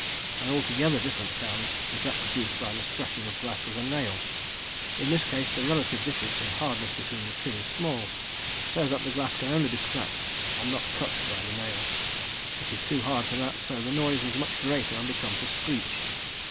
An altogether different sound is that produced by the scratching of glass with a nail. In this case, the relative difference in hardness between the two is small, so that the glass can only be scratched and not "cut" by the nail; it is too hard for that, so the noise is much greater and becomes a screech.